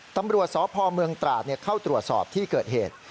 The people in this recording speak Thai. ตำรวจสพเมืองตราดเข้าตรวจสอบที่เกิดเหตุ